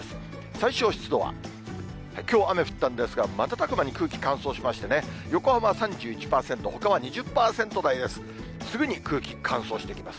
最小湿度は、きょう雨降ったんですが、瞬く間に空気乾燥しましてね、横浜は３１％、ほかは２０％台です。